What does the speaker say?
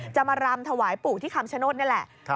มารำถวายปู่ที่คำชโนธนี่แหละ